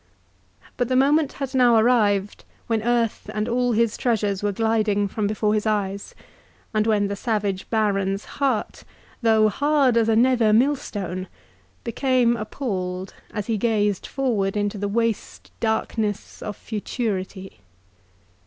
But the moment had now arrived when earth and all his treasures were gliding from before his eyes, and when the savage Baron's heart, though hard as a nether millstone, became appalled as he gazed forward into the waste darkness of futurity.